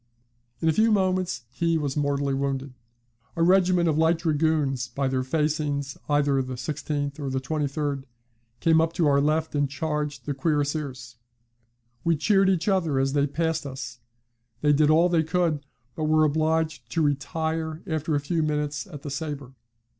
In a few moments he was mortally wounded. A regiment of light Dragoons, by their facings either the 16th or 23d, came up to our left and charged the cuirassiers. We cheered each other as they passed us; they did all they could, but were obliged to retire after a few minutes at the sabre.